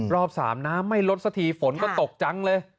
รอบ๓น้ำไม่ลดสักทีฝนก็ตกจังเลย